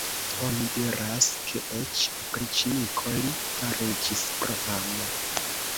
Oni diras, ke eĉ opriĉniko li fariĝis pro amo.